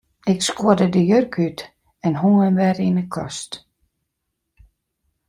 Ik skuorde de jurk út en hong him wer yn 'e kast.